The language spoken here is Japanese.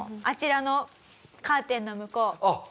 あちらのカーテンの向こう